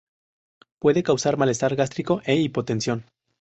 Puede causar malestar gástrico e hipotensión.